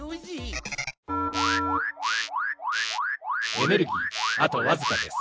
エネルギーあとわずかです。